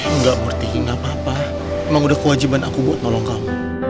nggak ngertiin gak apa apa emang udah kewajiban aku buat nolong kamu